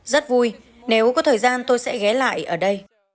rất vui nếu có thời gian tôi sẽ ghé lại ở đây